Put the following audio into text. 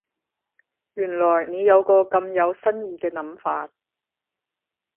原來你有個咁有新意嘅諗法